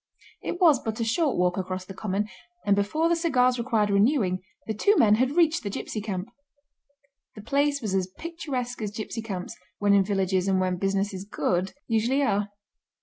It was but a short walk across the common, and before the cigars required renewing the two men had reached the gipsy camp. The place was as picturesque as gipsy camps—when in villages and when business is good—usually are.